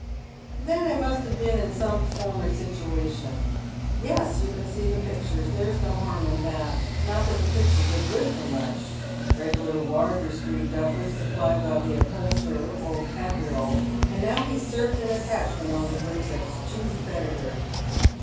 " Then it must have been in some former situation. Yes, you can see the pictures. There's no harm in that. Not that tho pictures are good for much — reg'lar Wardour Street duffers supplied by the upholsterer, old Kabriole, and now he's sei ved an attachment on the goods as chief creditor.